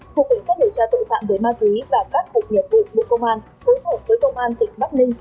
thủ quyền xét lựa tra tội phạm với ma túy và các cục nhiệm vụ bộ công an phối hợp với công an tỉnh bắc ninh